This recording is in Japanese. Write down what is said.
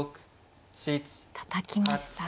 たたきました。